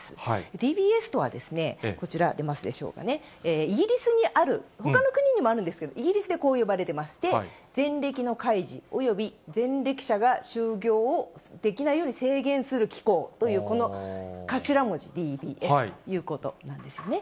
ＤＢＳとはこちら出ますでしょうかね、イギリスにある、ほかの国にもあるんですけど、イギリスでこう呼ばれてまして、前歴の開示および前歴者が就業をできないように制限する機構という、この頭文字、Ｄ、Ｂ、Ｓということなんですね。